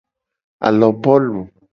Alobolu.